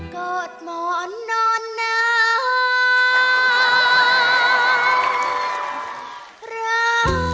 กอดหมอนนอนน้ำ